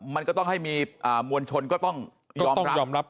มันก็ต้องให้มีมวลชนก็ต้องยอมรับ